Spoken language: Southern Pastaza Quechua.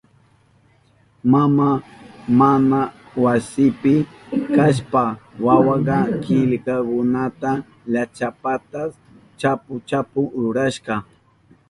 Maman mana wasinpi kashpan wawaka killkakunata llachapatapas chapu chapu rurashka.